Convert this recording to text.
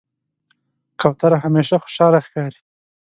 کوتره همیشه خوشحاله ښکاري.